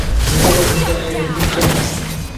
Negadir undan ayrilgim kelmasdi.